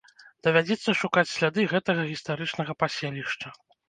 Давядзецца шукаць сляды гэтага гістарычнага паселішча.